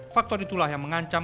faktor itulah yang mengancam